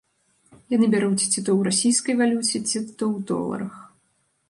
Яны бяруць ці то ў расійскай валюце, ці то ў доларах.